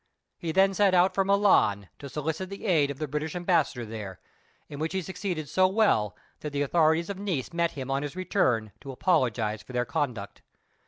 He then set out for Milan, to solicit the aid of the British Ambassador there, in which he succeeded so well that the authorities of Nice met him on his return to apologize for their conduct.